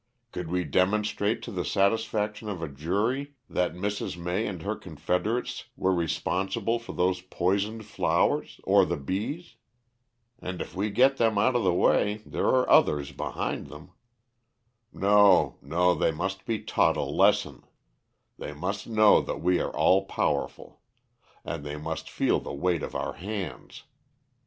Could we demonstrate to the satisfaction of a jury that Mrs. May and her confederates were responsible for those poisoned flowers or the bees? And if we get them out of the way there are others behind them. No, no; they must be taught a lesson; they must know that we are all powerful. And they must feel the weight of our hands.